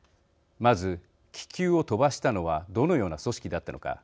まず、気球を飛ばしたのはどのような組織だったのか。